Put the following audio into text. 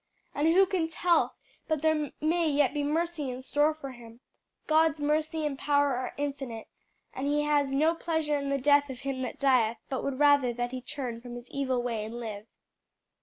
And who can tell but there may yet be mercy in store for him? God's mercy and power are infinite, and He has 'no pleasure in the death of him that dieth,' but would rather that he turn from his evil way and live."